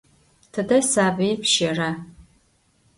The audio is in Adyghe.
Tıde sabıir pşera?